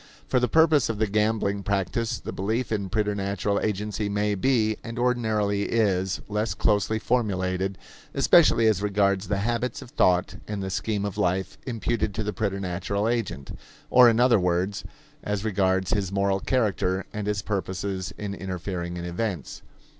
For the purpose of the gambling practice the belief in preternatural agency may be, and ordinarily is, less closely formulated, especially as regards the habits of thought and the scheme of life imputed to the preternatural agent; or, in other words, as regards his moral character and his purposes in interfering in events.